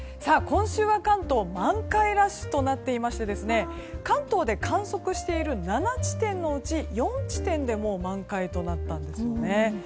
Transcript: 今週は関東満開ラッシュとなっていまして関東で観測している７地点のうち４地点でもう満開となったんですよね。